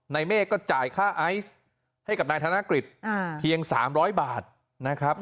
เมฆก็จ่ายค่าไอซ์ให้กับนายธนกฤษเพียง๓๐๐บาทนะครับ